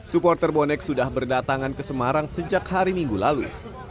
supporter bonek sudah berdatangan ke semarang sejak hari minggu lalu